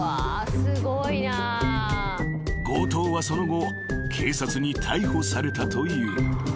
［強盗はその後警察に逮捕されたという］